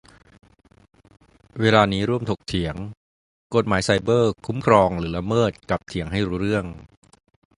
เวลานี้ร่วมถกเถียง : กฎหมายไซเบอร์ คุ้มครอง หรือ ละเมิด ? กับเถียงให้รู้เรื่อง